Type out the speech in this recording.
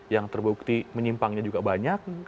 yang terbukti menyimpangnya juga banyak